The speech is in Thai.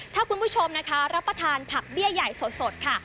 ถ้าคุณผู้ชมนะคะรับประทานผักเบี้ยใหญ่สดค่ะ